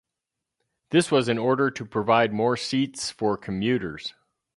This was in order to provide more seats for commuters.